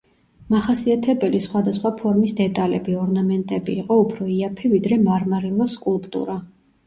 მახასიათებელი სხვადასხვა ფორმის დეტალები, ორნამენტები იყო უფრო იაფი, ვიდრე მარმარილოს სკულპტურა.